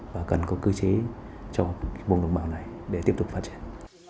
và cần có cơ chế cho vùng đồng bào này để tiếp tục phát triển